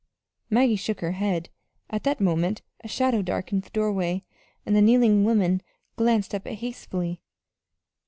Maggie shook her head. At that moment a shadow darkened the doorway, and the kneeling woman glanced up hastily.